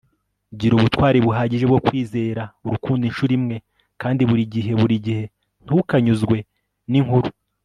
gira ubutwari buhagije bwo kwizera urukundo inshuro imwe kandi burigihe burigihe ntukanyuzwe ninkuru